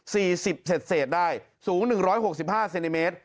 สิบเศษเศษได้สูงหนึ่งร้อยหกสิบห้าเซนติเมตร